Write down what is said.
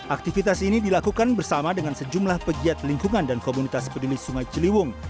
aktivitas ini dilakukan bersama dengan sejumlah pegiat lingkungan dan komunitas peduli sungai ciliwung